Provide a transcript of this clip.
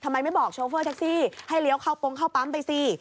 ไม่บอกโชเฟอร์แท็กซี่ให้เลี้ยวเข้าโปรงเข้าปั๊มไปสิ